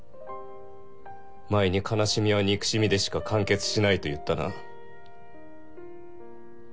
前に「悲しみは憎しみでしか完結しない」と言ったな。